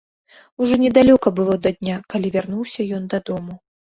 Ужо недалёка было да дня, калі вярнуўся ён дадому.